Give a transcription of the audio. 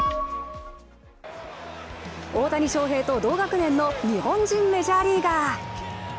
大谷翔平と同学年の日本人メジャーリーガー。